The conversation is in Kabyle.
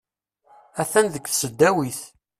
Atan deg tesdawit.